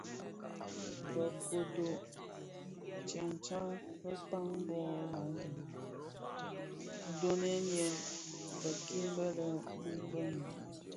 Be kodo tsëmtsa bekpag bō laden ndhoňdeňèn bikin bi lè bum bë mum.